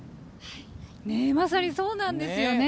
まさにそうなんですよね。